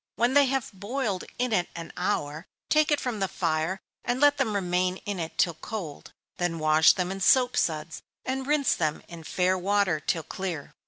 When they have boiled in it an hour, take it from the fire, and let them remain in it till cold; then wash them in soap suds, and rinse them in fair water till clear.